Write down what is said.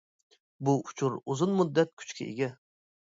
بۇ ئۇچۇر ئۇزۇن مۇددەت كۈچكە ئىگە.